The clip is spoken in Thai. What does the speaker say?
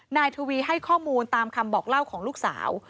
นายทวีให้ข้อมูลตามคำบอกเล่าของลูกสาว